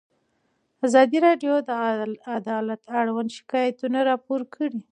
ازادي راډیو د عدالت اړوند شکایتونه راپور کړي.